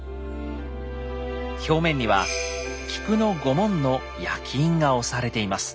表面には菊の御紋の焼き印が押されています。